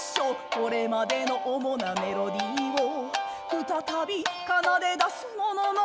「これまでの主なメロディを再び奏で出すものの」